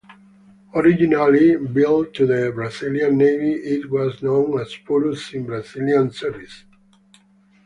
Originally built for the Brazilian Navy it was known as Purus in Brazilian service.